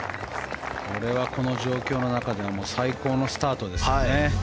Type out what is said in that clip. これはこの状況の中では最高のスタートですね。